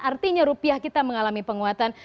artinya rupiah kita mengalami penguatan